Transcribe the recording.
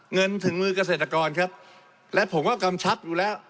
เงินถึงมือเกษตรกรครับและผมก็กำชับอยู่แล้ว